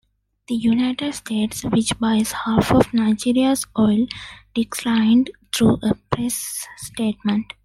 The United States, which buys half of Nigeria's oil, declined through a press statement.